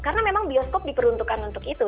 karena memang bioskop diperuntukkan untuk itu